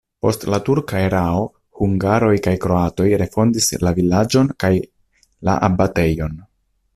Post la turka erao hungaroj kaj kroatoj refondis la vilaĝon kaj la abatejon.